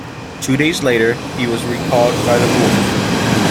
Two days later, he was recalled by the Bulls.